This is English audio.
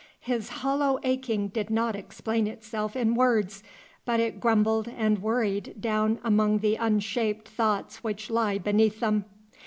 His hollow aching did not explain itself in words, but it grumbled and worried down among the unshaped thoughts which lie beneath them.